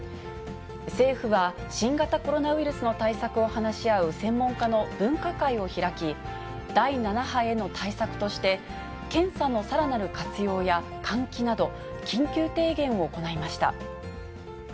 政府は、新型コロナウイルスの対策を話し合う専門家の分科会を開き、第７波への対策として、検査のさらなる活用や換気など、緊急提言を行いました。